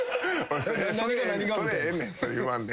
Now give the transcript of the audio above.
それええねんそれ言わんで。